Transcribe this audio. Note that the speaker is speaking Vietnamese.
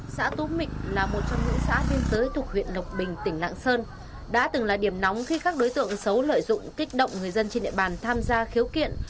xã tú mịnh là một trong những xã biên giới thuộc huyện lộc bình tỉnh lạng sơn đã từng là điểm nóng khi các đối tượng xấu lợi dụng kích động người dân trên địa bàn tham gia khiếu kiện